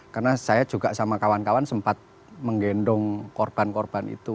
karena saya juga sama kawan kawan sempat menggendong korban korban itu